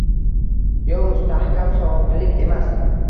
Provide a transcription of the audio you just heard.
Yo mustaxkam soglik emas